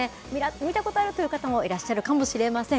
見たことあるという方もいらっしゃるかもしれません。